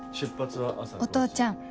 お父ちゃん